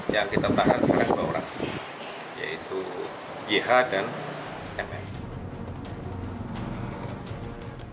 yang kita tahan salah dua orang yaitu gh dan mr